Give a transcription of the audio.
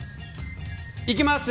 いきます！